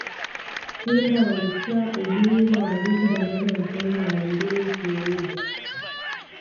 simba walitwaa ubingwa wa ligi daraja la kwanza mara mbili mfululizo